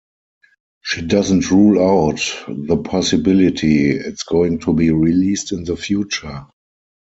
She doesn't rule out the possibility it's going to be released in the future.